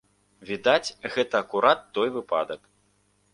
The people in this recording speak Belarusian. Відаць, гэта акурат той выпадак.